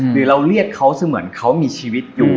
หรือเราเรียกเขาเสมือนเขามีชีวิตอยู่